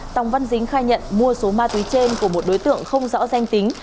tòng văn dính khai nhận mua số ma túy trên của một đối tượng không rõ danh tính